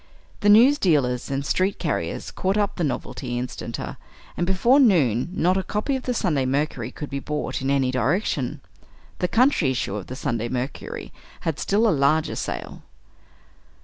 The news dealers and street carriers caught up the novelty instanter, and before noon not a copy of the "Sunday Mercury" could be bought in any direction. The country issue of the "Sunday Mercury" had still a larger sale.